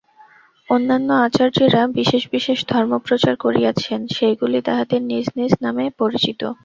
অন্যান্য আচার্যেরা বিশেষ বিশেষ ধর্ম প্রচার করিয়াছেন, সেইগুলি তাঁহাদের নিজ নিজ নামে পরিচিত।